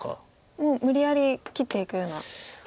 もう無理やり切っていくような。